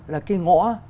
là cái ngõ